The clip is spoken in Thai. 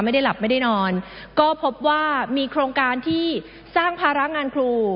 ไม่ได้หลับไม่ได้นอนก็พบว่ามีโครงการที่สร้างภาระงานครู